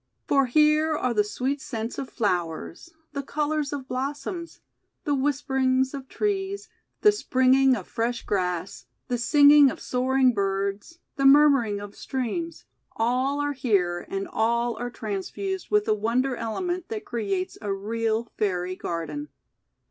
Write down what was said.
For here are the sweet scents of flowers, the colours of blossoms, the whisperings of trees, the springing of fresh grass, the singing of soar ing birds, the murmuring of streams, all are here, and all are transfused with a wonder element that creates a real Fairy Garden.